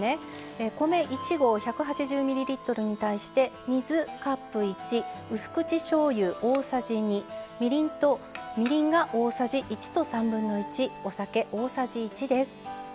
米１合１８０ｍｌに対して水カップ１、うす口しょうゆ大さじ２みりんが大さじ１と３分の１お酒、大さじ１です。